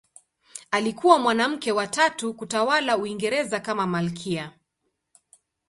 Alikuwa mwanamke wa tatu kutawala Uingereza kama malkia.